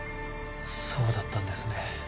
そうだったんですね。